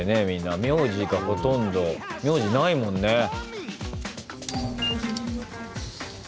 みんな名字がほとんど名字ないもんね。